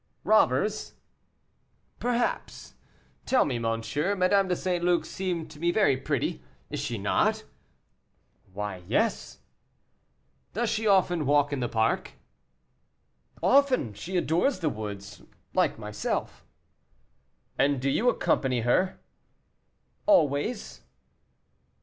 "Robbers?" "Perhaps. Tell me, monsieur, Madame de St. Luc seemed to me very pretty; is she not?" "Why, yes." "Does she often walk in the park?" "Often; she adores the woods, like myself." "And do you accompany her?" "Always."